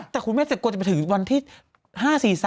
แต่คุณแม่ต้องแม่ใช่ควรจะถึงวันที่๕๔๕